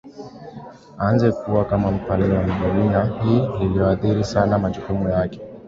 aanze kuwa kama mfalme wa dunia hii lililoathiri sana majukumu yake